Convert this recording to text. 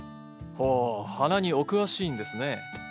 ほう花にお詳しいんですね。